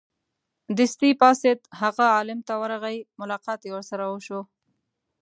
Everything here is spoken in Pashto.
دستې پاڅېد هغه عالم ت ورغی ملاقات یې ورسره وشو.